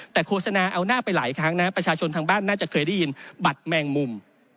แต่โฆษณาเอาหน้าไปหลายครั้งนะประชาชนทางบ้านน่าจะเคยได้ยินบัตรแมงมุม